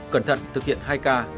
cẩn thận thực hiện hai k